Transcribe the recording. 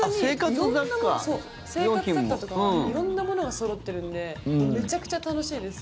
そう、生活雑貨とか色んなものがそろってるんでめちゃくちゃ楽しいです。